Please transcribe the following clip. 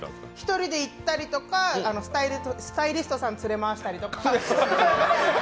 １人で行ったりとかスタイリストさん連れ回したり。